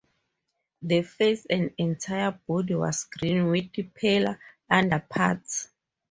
The face and entire body was green, with paler underparts.